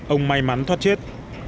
ông may mắn thoát chết